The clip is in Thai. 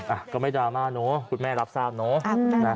อ่ะก็ไม่ดราม่าเนอะคุณแม่รับทราบเนอะ